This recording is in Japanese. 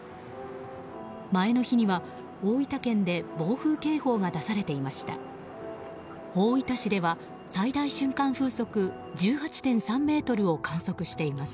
前の日には、大分県で暴風警報が出されていました。